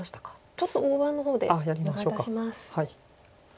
ちょっと大盤の方でお願いいたします。